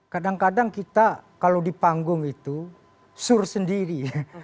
kadang kadang kita kalau di panggung itu sur sendiri